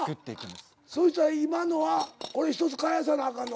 そしたら今のはこれ１つかえさなあかんのか。